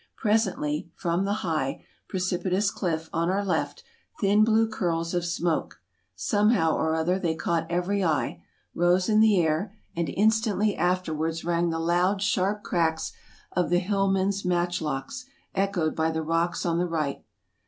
Presently, from the high, precipitous cliff on our left, thin blue curls of smoke — somehow or other they caught every eye — rose in the air, and instantly afterwards rang the loud, sharp cracks of the hill men's matchlocks, echoed by the rocks on the right.